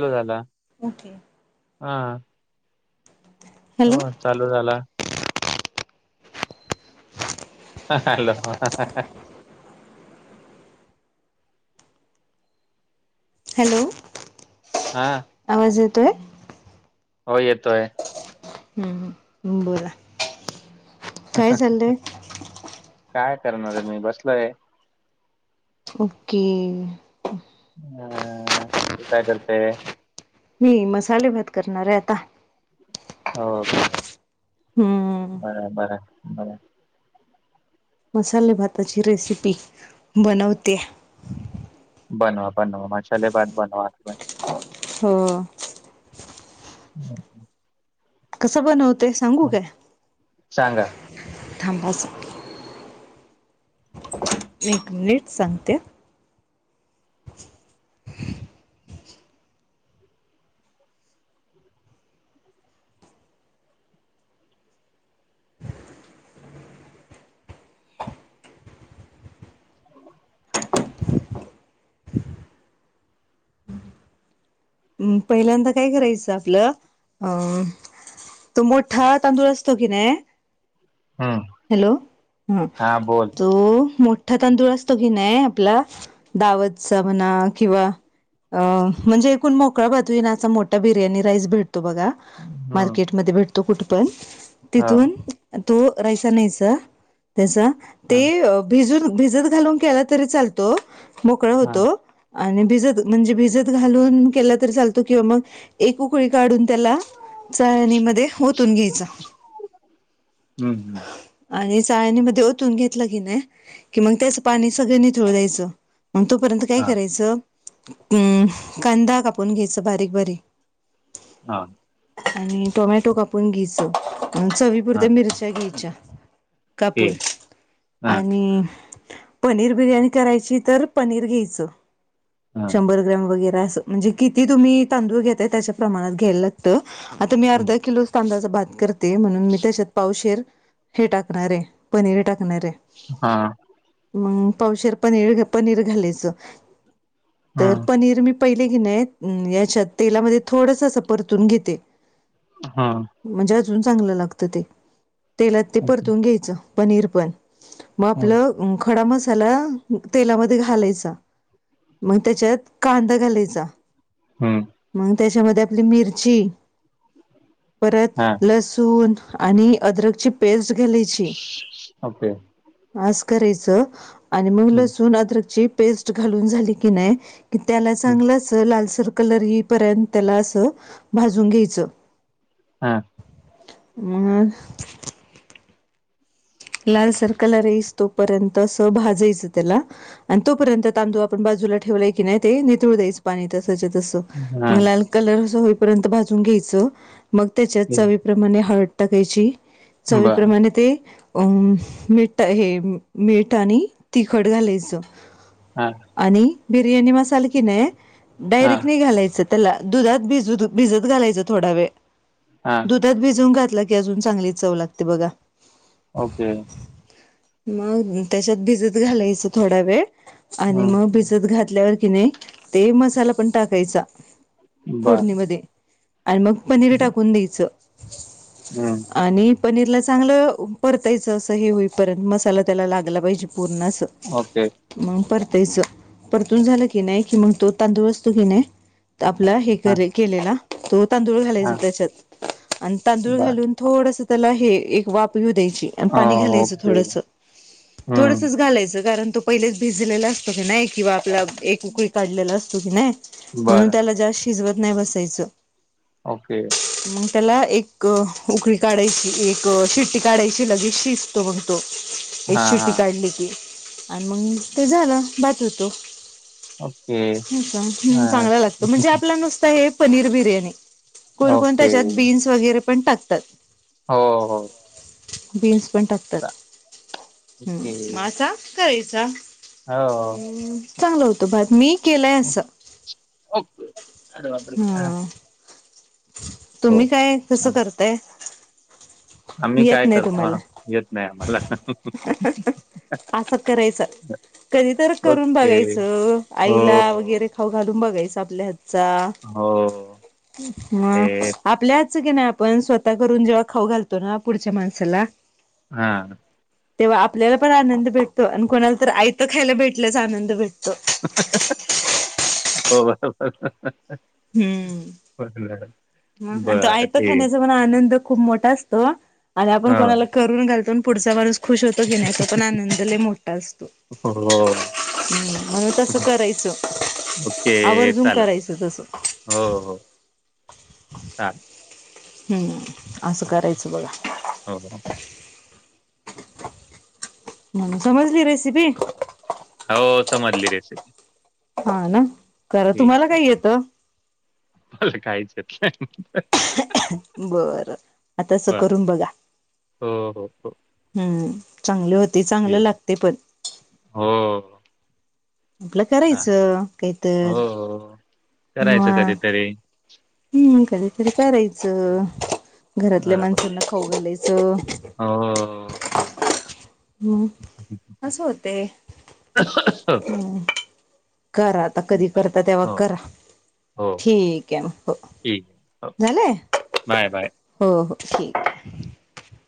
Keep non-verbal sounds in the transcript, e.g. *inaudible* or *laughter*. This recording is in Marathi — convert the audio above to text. लला ओके. हा हो हॅलो चालू झाला ह ल ह हॅलो हां आवाज येतोय हो येतोय हम्म बोला काय चाललंय काय करणार आहे मी बसलोय ओके हम् खपरते मी मसाले भात करणार आहे आता हो का हम्म बर बरं बर मसाले भाताची रेसिपी बनवते बनवा बनवा म चले बा बनवा हो हम् कसं बनवते सांगू काय सांगा. थांबाच एक मिनिट सांगते *inaudible* म पहिल्यांदा काय करायचं आपलं अं तो मोठा तांदूळ असतो कि नाही हम्म हॅलो हम हा बोल तो मो ठा तांदूळ असतो की नाही आपला दावतचा म्हणा किंवा अ म्हणजे एकूण मोकळा भातू ना असा मोठा बिर्याणी राईस भेटतो बघा हम्म मार्केट म भेटतो कुठ पण हो तिथून तो रायसानचा त्याचा ते हा भिजून भिजत घालून केला तरी चालतो मोकळा हा होतो आणि भिजत म्हणजे भिजत घालून केला तर चालतो किंवा मग एककळी काढून त्याला ळणीमध्ये होतून घ्यायचा हम्म हम्म आणि चाळणी मध्ये ओतून घेतलं की नाही की मग त्याचं पाणी सगळ्यांनीथळ द्यायचं तोपर्यंत काय हा करायचं अ कांदा ून घ्यायच बारीक बारीक हा आणि टोमॅटो कापून घ्यायच हा चवीपुरत्या मिरच्या घ्यायच्या ते कापूर हा आणि पनीर बिर्याणी करायची तर पनीर घ्यायचं हा शंभर ग्रॅम वगैरे अस म्हणजे किती तुम्ही तांदूळ घेतताय त्याच्या प्रमाात घ्यायला लागतं आता मी अर्धा किलो तांदूळाच बाात कर ते म्हणून मी त्याच्यात पावशर हे टाकणार आहे पनीर टाकणार आहे हा मम पावशर पनीर पनीर घालायचं हा तर पनीर मी पहिले घेन आहेत याच्यात तेलामध्ये थोडस अस परतून घेते हा म्हणजे अजून चांगलं लागत ते तेलात ते परतून घ्यायचं पनीर पण मग आपलं खडा मसाला तेलामध्ये घालायचा मग त्याच्यात कांदा घालायचा हम्म मग त्याच्यामध्ये आपली मिरची परत हा लसूण आणि अदरकची पेस्ट घ्यालायची ओके मास करायचं आणि मग लसूण अद्रकची पेस्ट घालून झाली की नाही कि त्याला चांगलं अस लालसर कलर हि पर्यंत त्याला अस भाजून घ्यायचं हा मग लाल सरकलरईस तोपर्यंत अस भाजायचं त्याला आणि तोपर्यंत तांदूळ आपण बाजूला ठेवलाय की नाही ते नितळ दईच पाणीच हा कून घय त्याच्या प्रमाणे हळट टाकायची बर चवीप्रमाणे ते अ मठ हे मेठ आणि तिखट घालायचं हा आणि बिर्याणी मसाला कि नाही आहे हा डायरेक्ट नाही घालायचं दुधात भ भिजत घालायच थोडा वळ हा दध त भिजवून घातला की अजून चांगलीच चव लागते बघा. ओके. मग त्याच्यात भिजत घालायचं थोडा वेळ आणि हम्म मग भिजत घात. ल्यावर कि नाही ते मसाला पण टाकायचा. बर फोडणीमध्ये आणि मग पनीर टाकून द्यायचं. हम्म. आणि पनीरला चांगलं परतायचं असं हे होईपर्यंत मसाला त्याला लागला पाहिजे पूर्ण असं. ओके. मग परतायचं परतून झालं की नाही कि मग तो तांदूळ असतो की नाही. आपला हे हा केलेला तो तांदूळ घालायचा हा त्याच्यात आणि तांदूळ बर घालून. थोडस त्याला हे एक वाप घऊ द्यायचं. अ, पा घालायच ओके थड थोड हम्म घालायच कारण त पहिलेच भिजलेला असतो कि नाही किंवा आपला एक उकळी काढलेला असतो की नाही म्हणून बर त्याला जास्त. शिजवत नाही बसायचं. ओके. मग त्याला एक उकळी काढायची एक शिट्टी काढायची. लगेच शसतो म्हतो एक हा शिटी हा काढली की. आणि मग ते झालं बचूतो. ओके हा चांगला लागतं म्हणजे आपलं नुसत हे पनीर बिर्याणी. कोण कोण ओके त्याच्यात बीन्स वगैरे पण टाकतात. हो हो. बीन्स पण टाकतात चा हम्म ओके मग असा करायचा. हो ् चांल होतं बात मी केलंय असं. ओके अरबर. हा तुम्ही काय कसं छान. करताय. आम्ही येत काय नाही करतो तुम्हाला येत नाही आम्हाला. असं करायचं कधी तर करून ओके बघायचं हो आईला वगैरे. हाव घालून बघायचा आपल्या हातचा हो. ह हे आपल्याच की नाही आपण स्वतः करून जेव्हा खाऊ घालतो ना पुढच्या माणसाला हां तेव्हा आपल्याला पण आनंद भेटतो आणि कोणाला तर आयतं खायला भेटल्याच आनंद भेटतो. हो *unintelligible* हम्म हो मग आणि तो बरं आयत ते. खाण्याचा आनंद खूप मोठा असतो आणि आपण हा कोणाला करून घालतो पुढचा व खुश होतो घेण्याचा पण आनंदला मोठा असतो. हो हम्म म्हणून तस करायचं ओके आवर्जून चालेल करायचं तसं हो हो. हम्म असं चालेल करायचं बघा. हो. म्ह समजली रेसिपी. हो समजली रेसिपी. हा ना करा ठीक तुम्हाला काही येतं. मला काहीच येत नाही. बर आता असं बर करून बघा हो हो हो हम्म. चांगले होते चांगलं ठीक लागते पण हो आपलं चालेल करायचं काहीत हो हो करायचं मग कधीतरी हम्म कधीतरी करायचं घरातल्या बरोबर माणसांना खाऊ घालायचं हो हम्म अस होते म् करात आता कधी करता तेव्हा हो करा हो ठीक आहे हो ठीक आहे हो झालंय बाय बाय हो हो ठीक